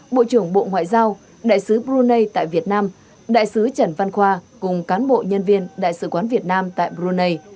bộ trưởng bộ ngoại giao đại sứ brunei tại việt nam đại sứ trần văn khoa cùng cán bộ nhân viên đại sứ quán việt nam tại brunei